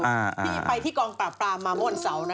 พี่ไปที่กองปาปามามวลเสา